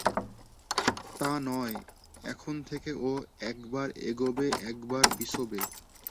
তা নয়, এখন থেকে ও একবার এগোবে, একবার পিছবে।